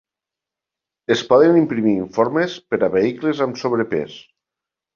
Es poden imprimir informes per a vehicles amb sobrepès.